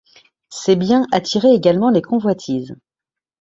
Ses biens attiraient également les convoitises.